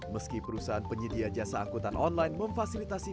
meski perusahaan penyedia jasa angkutan online memfasilitasi